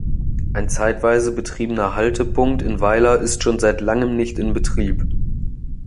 Ein zeitweise betriebener Haltepunkt in Weiler ist schon seit langem nicht in Betrieb.